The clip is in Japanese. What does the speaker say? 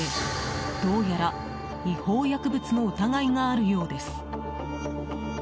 どうやら違法薬物の疑いがあるようです。